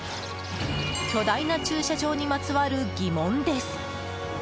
巨大な駐車場にまつわる疑問です。